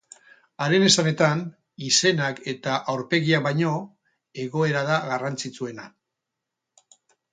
Haren esanetan, izenak eta aurpegiak baino, egoera da garrantzitsuena.